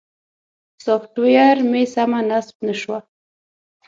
سافټویر مې سمه نصب نه شوه.